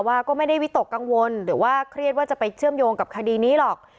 ว่าก็ไม่ได้วิตกกังวลหรือว่าเครียดว่าจะไปเชื่อมโยงกับคดีนี้หรอก